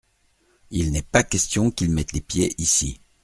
Il n’est pas question qu’il mette les pieds ici.